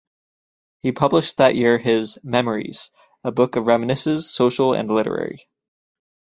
He published that year his "Memories", a book of reminiscences, social and literary.